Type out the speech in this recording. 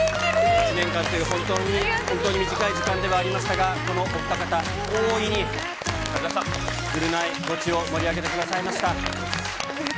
１年間という本当に、本当に短い時間ではありましたが、このお二方、大いにぐるナイゴチを盛り上げてくださいました。